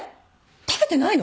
食べてないの？